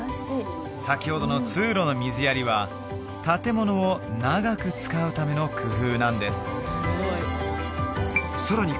先ほどの通路の水やりは建物を長く使うための工夫なんですさらに